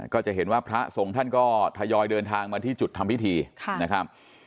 ก็จะเห็นว่าพระสงฆ์ท่านก็ทยอยเดินทางมาที่จุดทำพิธีนะครับ